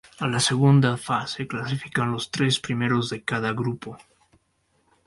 A la segunda fase clasifican los tres primeros de cada grupo.